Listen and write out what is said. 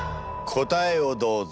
答えをどうぞ。